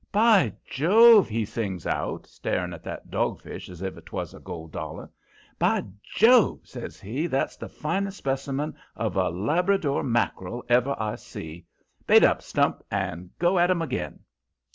"By Jove!" he sings out, staring at that dogfish as if 'twas a gold dollar. "By Jove!" says he, "that's the finest specimen of a Labrador mack'rel ever I see. Bait up, Stump, and go at 'em again."